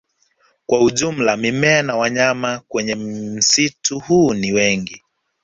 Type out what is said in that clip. Kwa ujumla mimea na wanyama kwenye msitu huu ni mingi